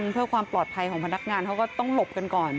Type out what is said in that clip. เพื่อความปลอดภัยของพนักงานเขาก็ต้องหลบกันก่อน